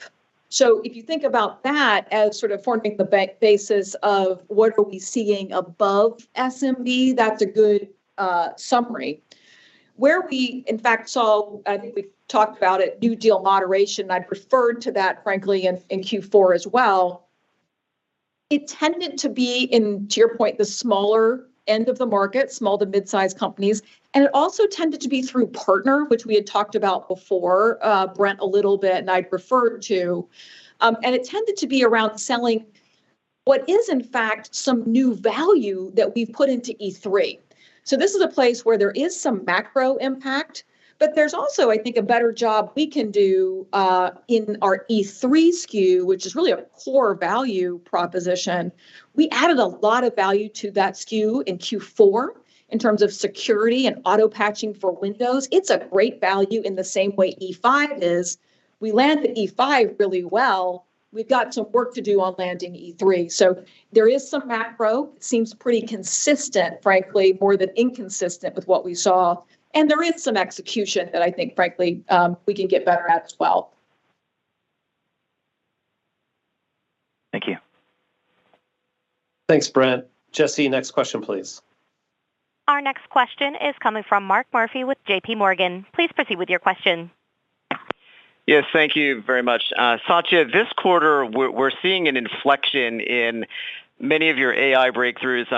If you think about that as sort of forming the basis of what are we seeing above SMB, that's a good summary. We, in fact, saw, I think we've talked about it, new deal moderation. I'd referred to that frankly in Q4 as well. It tended to be in, to your point, the smaller end of the market, small to mid-size companies. It also tended to be through partner, which we had talked about before, Brent, a little bit, and I'd referred to. It tended to be around selling what is, in fact, some new value that we've put into E3. This is a place where there is some macro impact, but there's also, I think, a better job we can do in our E3 SKU, which is really a core value proposition. We added a lot of value to that SKU in Q4 in terms of security and auto-patching for Windows. It's a great value in the same way E5 is. We land the E5 really well. We've got some work to do on landing E3. There is some macro. Seems pretty consistent, frankly, more than inconsistent with what we saw. There is some execution that I think, frankly, we can get better at as well. Thank you. Thanks, Brent. Jesse, next question, please. Our next question is coming from Mark Murphy with JPMorgan. Please proceed with your question. Yes. Thank you very much. Satya, this quarter, we're seeing an inflection in many of your AI breakthroughs.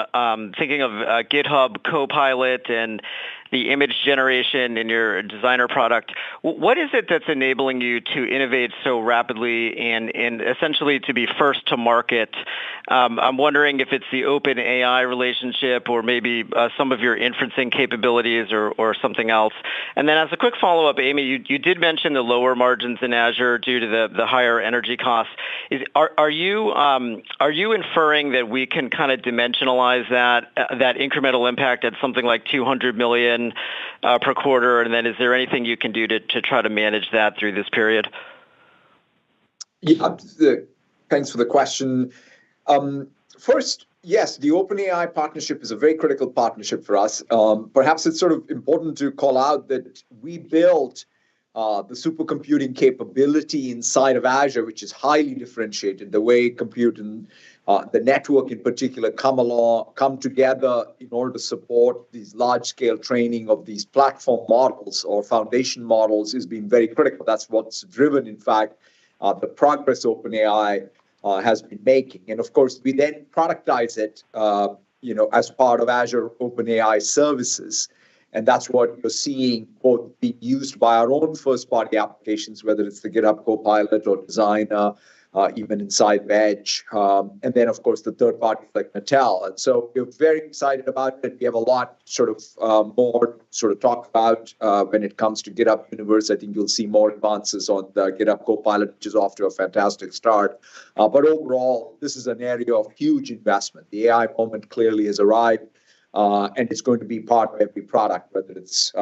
Thinking of GitHub Copilot and the image generation in your Designer product. What is it that's enabling you to innovate so rapidly and essentially to be first to market? I'm wondering if it's the OpenAI relationship or maybe some of your inferencing capabilities or something else. As a quick follow-up, Amy, you did mention the lower margins in Azure due to the higher energy costs. Are you inferring that we can kinda dimensionalize that incremental impact at something like $200 million per quarter? Is there anything you can do to try to manage that through this period? Yeah. Thanks for the question. First, yes, the OpenAI partnership is a very critical partnership for us. Perhaps it's sort of important to call out that we built the super computing capability inside of Azure, which is highly differentiated. The way compute and the network in particular come along, come together in order to support these large scale training of these platform models or foundation models has been very critical. That's what's driven, in fact, the progress OpenAI has been making. Of course, we then productize it, you know, as part of Azure OpenAI services, and that's what you're seeing, both being used by our own first-party applications, whether it's the GitHub Copilot or Designer, even inside Edge, and then, of course, the third party like Mattel. We're very excited about it. We have a lot more to talk about when it comes to GitHub Universe. I think you'll see more advances on the GitHub Copilot, which is off to a fantastic start. Overall, this is an area of huge investment. The AI moment clearly has arrived. It's going to be part of every product, whether it's.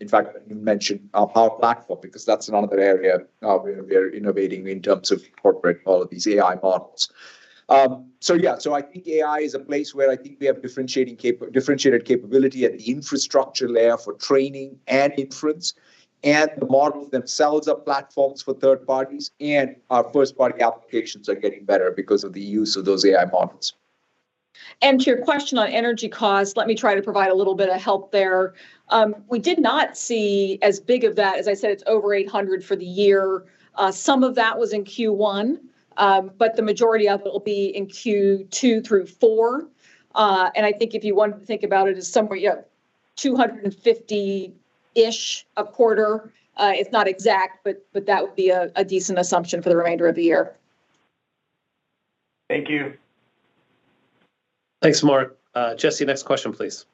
In fact, you mentioned our Power Platform because that's another area where we're innovating in terms of incorporating all of these AI models. I think AI is a place where we have differentiated capability at the infrastructure layer for training and inference, and the models themselves are platforms for third parties, and our first-party applications are getting better because of the use of those AI models. To your question on energy cost, let me try to provide a little bit of help there. We did not see as big of that. As I said, it's over $800 for the year. Some of that was in Q1, but the majority of it will be in Q2 through four. I think if you want to think about it as somewhere, yeah, $250-ish a quarter, it's not exact, but that would be a decent assumption for the remainder of the year. Thank you. Thanks, Mark. Jesse, next question, please.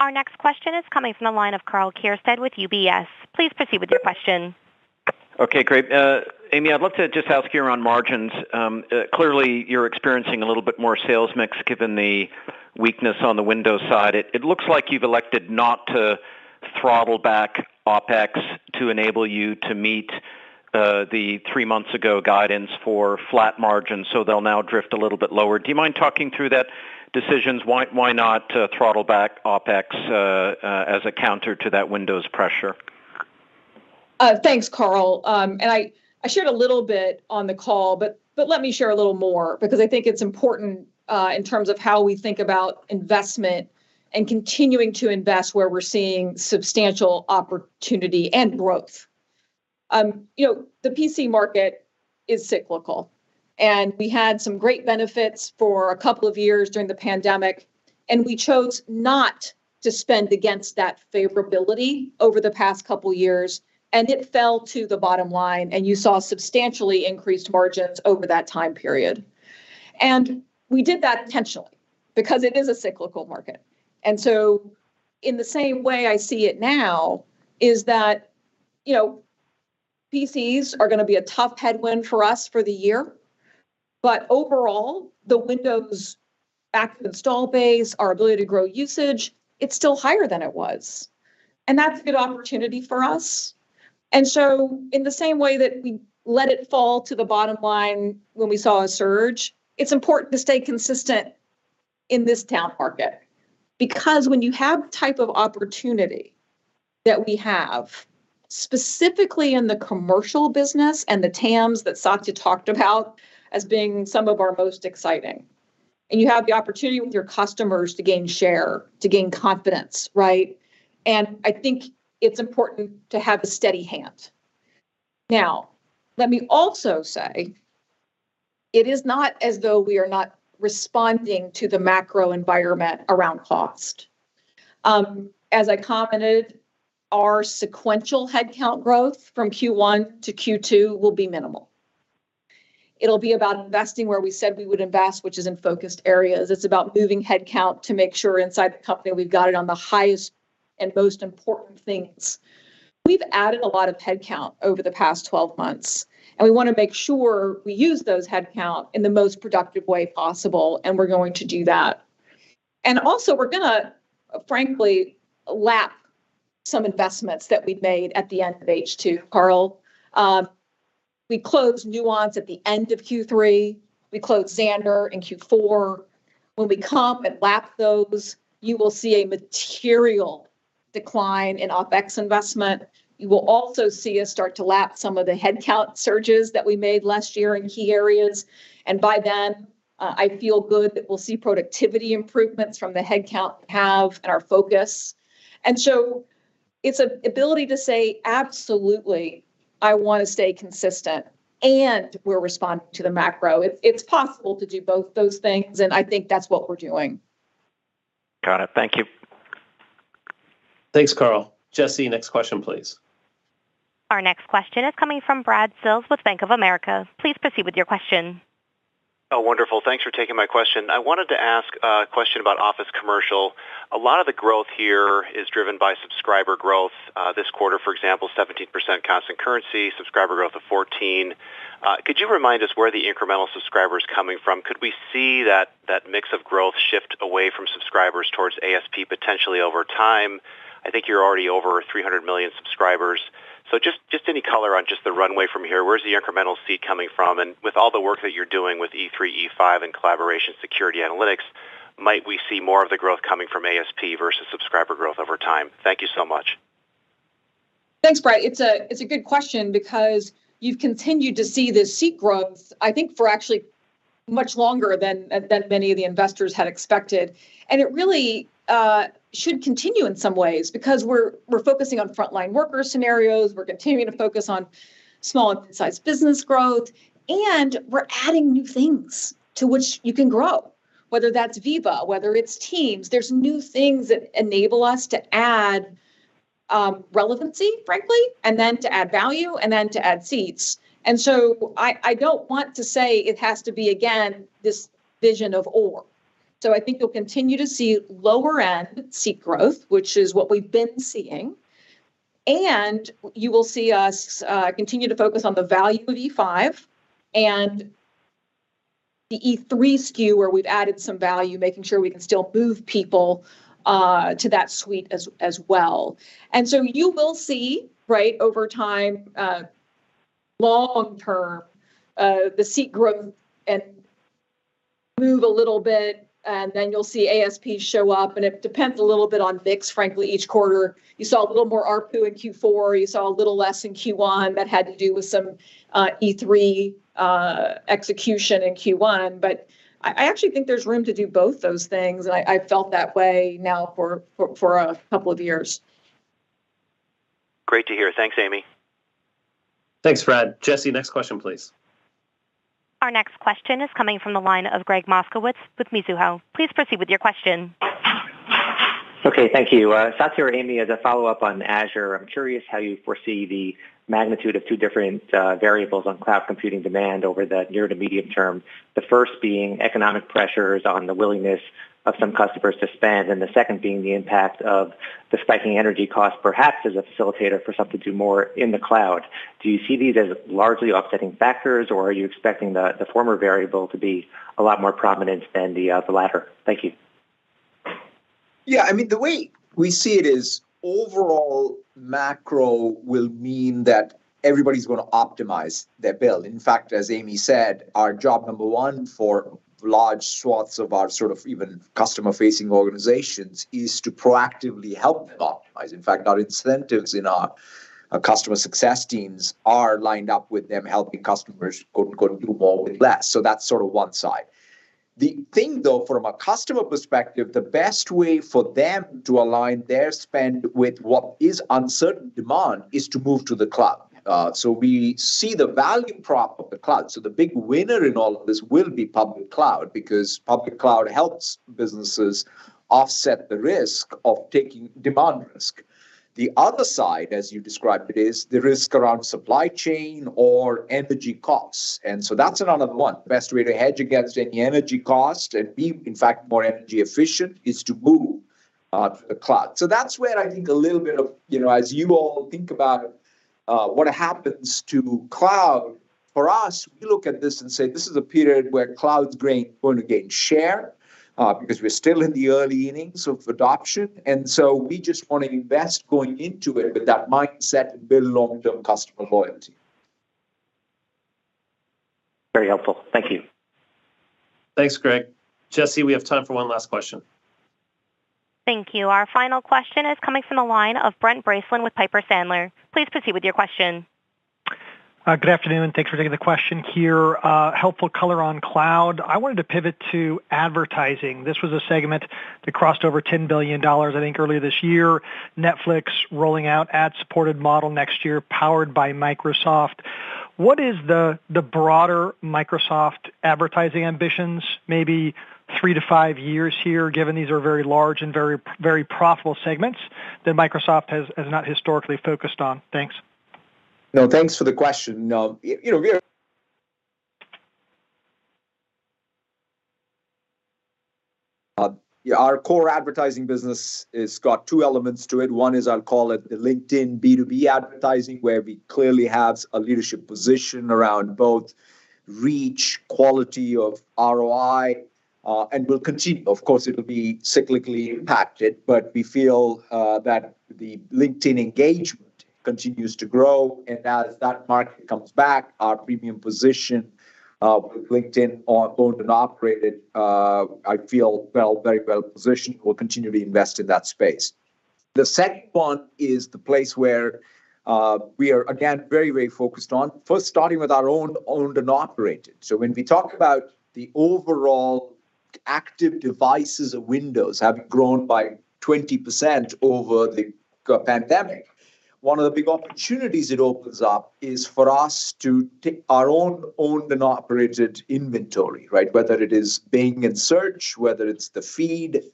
Our next question is coming from the line of Karl Keirstead with UBS. Please proceed with your question. Okay, great. Amy Hood, I'd love to just ask you about margins. Clearly, you're experiencing a little bit more sales mix given the weakness on the Windows side. It looks like you've elected not to throttle back OpEx to enable you to meet the three months ago guidance for flat margins, so they'll now drift a little bit lower. Do you mind talking through that decision? Why not throttle back OpEx as a counter to that Windows pressure? Thanks, Karl. I shared a little bit on the call, but let me share a little more because I think it's important in terms of how we think about investment and continuing to invest where we're seeing substantial opportunity and growth. You know, the PC market is cyclical, and we had some great benefits for a couple of years during the pandemic, and we chose not to spend against that favorability over the past couple years, and it fell to the bottom line, and you saw substantially increased margins over that time period. We did that intentionally because it is a cyclical market. In the same way I see it now is that, you know, PCs are gonna be a tough headwind for us for the year. Overall, the Windows active install base, our ability to grow usage, it's still higher than it was. That's a good opportunity for us. In the same way that we let it fall to the bottom line when we saw a surge, it's important to stay consistent in this down market. Because when you have the type of opportunity that we have, specifically in the commercial business and the TAMs that Satya talked about as being some of our most exciting, and you have the opportunity with your customers to gain share, to gain confidence, right? I think it's important to have a steady hand. Now, let me also say, it is not as though we are not responding to the macro environment around cost. As I commented, our sequential headcount growth from Q1 to Q2 will be minimal. It'll be about investing where we said we would invest, which is in focused areas. It's about moving headcount to make sure inside the company we've got it on the highest and most important things. We've added a lot of headcount over the past 12 months, and we wanna make sure we use those headcount in the most productive way possible, and we're going to do that. We're gonna, frankly, lap some investments that we've made at the end of H2, Karl. We closed Nuance at the end of Q3. We closed Xandr in Q4. When we comp and lap those, you will see a material decline in OpEx investment. You will also see us start to lap some of the headcount surges that we made last year in key areas. By then, I feel good that we'll see productivity improvements from the headcount we have and our focus. It's an ability to say, "Absolutely, I wanna stay consistent," and we're responding to the macro. It's possible to do both those things, and I think that's what we're doing. Got it. Thank you. Thanks, Karl. Jesse, next question, please. Our next question is coming from Brad Sills with Bank of America. Please proceed with your question. Wonderful. Thanks for taking my question. I wanted to ask a question about Office Commercial. A lot of the growth here is driven by subscriber growth. This quarter, for example, 17% constant currency, subscriber growth of 14%. Could you remind us where the incremental subscriber is coming from? Could we see that mix of growth shift away from subscribers towards ASP potentially over time? I think you're already over 300 million subscribers. So just any color on just the runway from here. Where's the incremental seat coming from? With all the work that you're doing with E3, E5 and collaboration security analytics, might we see more of the growth coming from ASP versus subscriber growth over time? Thank you so much. Thanks, Brad. It's a good question because you've continued to see the seat growth, I think, for actually much longer than many of the investors had expected. It really should continue in some ways because we're focusing on frontline worker scenarios, we're continuing to focus on small and midsize business growth, and we're adding new things to which you can grow, whether that's Viva, whether it's Teams. There's new things that enable us to add relevancy, frankly, and then to add value, and then to add seats. I don't want to say it has to be, again, this vision of or. I think you'll continue to see lower end seat growth, which is what we've been seeing, and you will see us continue to focus on the value of E5 and- The E3 SKU where we've added some value, making sure we can still move people to that suite as well. You will see, right, over time, long term, the seat growth and move a little bit, and then you'll see ASP show up, and it depends a little bit on VIX, frankly, each quarter. You saw a little more ARPU in Q4. You saw a little less in Q1. That had to do with some E3 execution in Q1. I actually think there's room to do both those things, and I felt that way now for a couple of years. Great to hear. Thanks, Amy. Thanks, Brent. Jesse, next question, please. Our next question is coming from the line of Gregg Moskowitz with Mizuho. Please proceed with your question. Okay. Thank you. Satya or Amy, as a follow-up on Azure, I'm curious how you foresee the magnitude of two different variables on cloud computing demand over the near to medium term. The first being economic pressures on the willingness of some customers to spend, and the second being the impact of the spiking energy cost, perhaps as a facilitator for some to do more in the cloud. Do you see these as largely offsetting factors, or are you expecting the former variable to be a lot more prominent than the latter? Thank you. Yeah, I mean, the way we see it is overall macro will mean that everybody's gonna optimize their bill. In fact, as Amy said, our job number one for large swaths of our sort of even customer-facing organizations is to proactively help them optimize. In fact, our incentives in our customer success teams are lined up with them helping customers go do more with less. That's sort of one side. The thing, though, from a customer perspective, the best way for them to align their spend with what is uncertain demand is to move to the cloud. So we see the value prop of the cloud. The big winner in all of this will be public cloud because public cloud helps businesses offset the risk of taking demand risk. The other side, as you described it, is the risk around supply chain or energy costs. That's another one. Best way to hedge against any energy cost and be, in fact, more energy efficient is to move to the cloud. That's where I think a little bit of, you know, as you all think about what happens to cloud, for us, we look at this and say, "This is a period where cloud's gonna gain share," because we're still in the early innings of adoption. We just wanna invest going into it with that mindset, build long-term customer loyalty. Very helpful. Thank you. Thanks, Gregg. Jesse, we have time for one last question. Thank you. Our final question is coming from the line of Brent Bracelin with Piper Sandler. Please proceed with your question. Good afternoon, and thanks for taking the question here. Helpful color on cloud. I wanted to pivot to advertising. This was a segment that crossed over $10 billion, I think, earlier this year. Netflix rolling out ad-supported model next year powered by Microsoft. What is the broader Microsoft advertising ambitions, maybe three to five years here, given these are very large and very, very profitable segments that Microsoft has not historically focused on? Thanks. No, thanks for the question. You know, our core advertising business has got two elements to it. One is I'll call it the LinkedIn B2B advertising, where we clearly have a leadership position around both reach, quality of ROI, and we'll continue. Of course, it'll be cyclically impacted, but we feel that the LinkedIn engagement continues to grow, and as that market comes back, our premium position with LinkedIn owned and operated, I feel very well-positioned. We'll continue to invest in that space. The second one is the place where we are, again, very, very focused on. First, starting with our own owned and operated. When we talk about the overall active devices of Windows have grown by 20% over the pandemic, one of the big opportunities it opens up is for us to take our own owned and operated inventory, right? Whether it is Bing and Search, whether it's the Feed,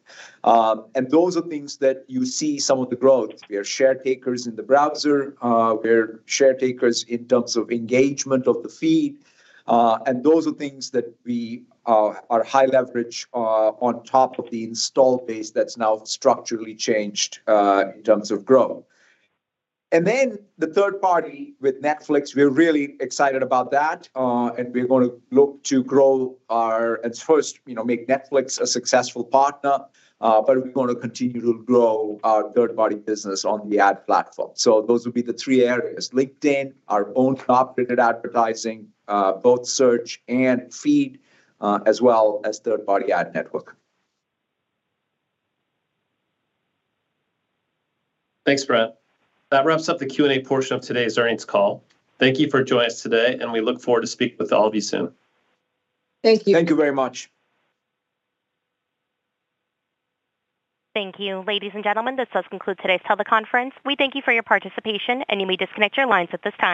and those are things that you see some of the growth. We are share takers in the browser. We're share takers in terms of engagement of the Feed. And those are things that we are high leverage on top of the install base that's now structurally changed in terms of growth. Then the third party with Netflix, we're really excited about that. And we're gonna look to grow our. It's first, you know, make Netflix a successful partner, but we're gonna continue to grow our third-party business on the ad platform. Those would be the three areas, LinkedIn, our own operated advertising, both Search and Feed, as well as third-party ad network. Thanks, Brent. That wraps up the Q&A portion of today's earnings call. Thank you for joining us today, and we look forward to speaking with all of you soon. Thank you. Thank you very much. Thank you. Ladies and gentlemen, this does conclude today's teleconference. We thank you for your participation, and you may disconnect your lines at this time.